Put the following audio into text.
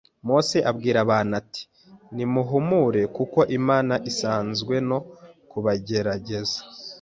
“Mose abwira abantu ati: ‘Nimuhumure kuko Imana izanywe no kubagerageza,